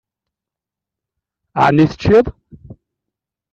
Ɛni teččiḍ?